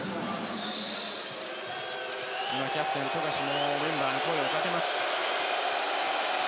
キャプテン、富樫もメンバーに声をかけます。